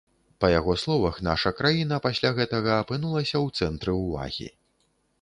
Па яго словах, наша краіна пасля гэтага апынулася ў цэнтры ўвагі.